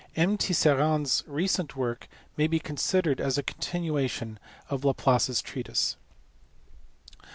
M. Tisserand s recent work may be considered as a continuation of Laplace s treatise.